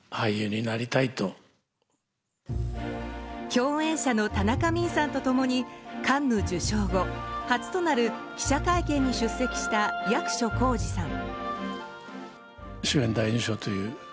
共演者の田中泯さんと共にカンヌ受賞後初となる記者会見に出席した役所広司さん。